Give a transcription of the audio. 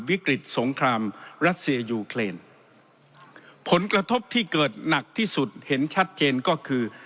วิกฤตสงครามรัสเซียยูเครนผลกระทบที่เกิดหนักที่สุดเห็นชัดเจนก็คือ